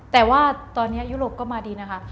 แต่ว่าตอนนี้ยุโรปก็มาดีนะคะ